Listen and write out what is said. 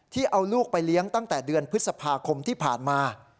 เอาลูกไปเลี้ยงตั้งแต่เดือนพฤษภาคมที่ผ่านมา